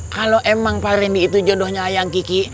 kalau emang pak rendy itu jodohnya ayang kiki